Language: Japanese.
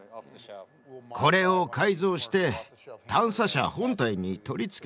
これを改造して探査車本体に取り付けるのさ。